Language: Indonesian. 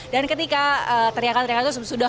dan ketika teriakan teriakan itu sudah muncul